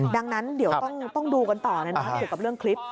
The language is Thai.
ดังนั้นเดี๋ยวต้องดูกันต่อเกี่ยวกับเรื่องคลิป